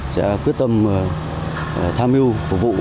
sẽ quyết tâm tham mưu phục vụ